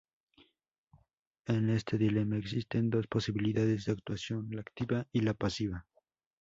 En este dilema existen dos posibilidades de actuación: la activa y la pasiva.